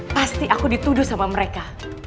pasti aku dituduh sama mereka